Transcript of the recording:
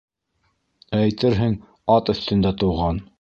Әйтерһең, ат өҫтөндә тыуған.